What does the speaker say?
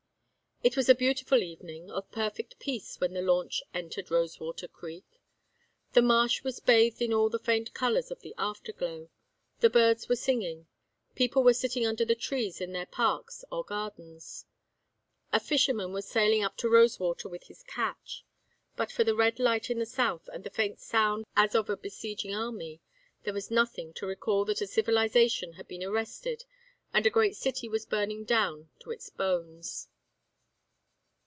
It was a beautiful evening of perfect peace when the launch entered Rosewater creek. The marsh was bathed in all the faint colors of the afterglow. The birds were singing. People were sitting under the trees in their parks or gardens. A fisherman was sailing up to Rosewater with his catch. But for the red light in the south and the faint sound as of a besieging army, there was nothing to recall that a civilization had been arrested and a great city was burning down to its bones.